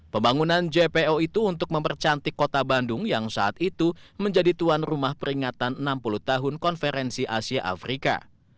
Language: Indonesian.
pembangunan jpo itu untuk mempercantik kota bandung yang saat itu menjadi tuan rumah peringatan enam puluh tahun konferensi asia afrika